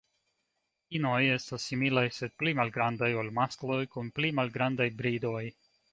Inoj estas similaj, sed pli malgrandaj ol maskloj kun pli malgrandaj bridoj.